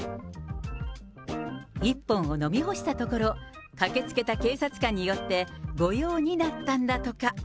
１本を飲み干したところ、駆けつけた警察官によって、御用になったんだとか。